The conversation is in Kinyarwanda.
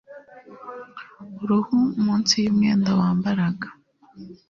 Uruhu munsi yumwenda wambaraga